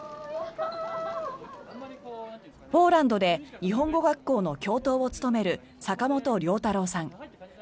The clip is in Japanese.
ポーランドで日本語学校の教頭を務める坂本龍太朗さん。